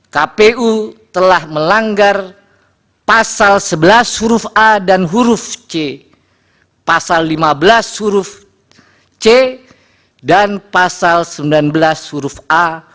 kpu telah melanggar pasal sebelas huruf a dan huruf c pasal lima belas huruf c dan pasal sembilan belas huruf a